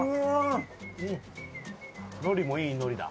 のりもいいのりだ。